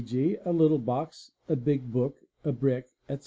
g., — a little box, a big book, a brick, etc.